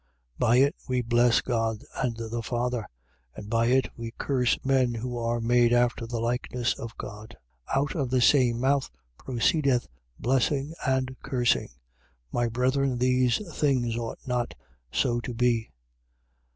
3:9. By it we bless God and the Father: and by it we curse men who are made after the likeness of God. 3:10. Out of the same mouth proceedeth blessing and cursing. My brethren, these things ought not so to be.